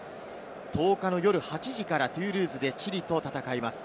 １０日の夜８時からトゥールーズでチリと戦います。